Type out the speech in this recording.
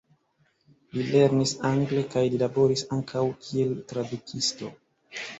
Li lernis angle kaj li laboris ankaŭ, kiel tradukisto.